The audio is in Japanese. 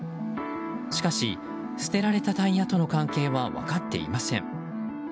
しかし、捨てられたタイヤとの関係は分かっていません。